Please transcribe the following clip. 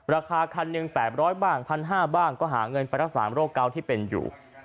ราคาคันหนึ่งแปบร้อยบ้างพันห้าบ้างก็หาเงินไปรักษาโรคเก่าที่เป็นอยู่